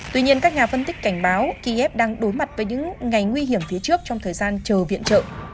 tuy nhiên các nhà phân tích cảnh báo kiev đang đối mặt với những ngày nguy hiểm phía trước trong thời gian chờ viện trợ